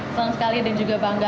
senang sekali dan juga bangga